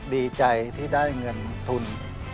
ดีใจที่ได้เงินทุน